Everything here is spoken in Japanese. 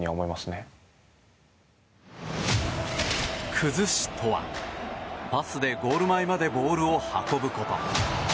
崩しとは、パスでゴール前までボールを運ぶこと。